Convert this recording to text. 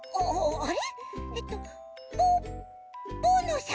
あれ？